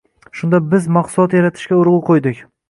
Shunda biz mahsulot yaratishga urgʻu qoʻydik.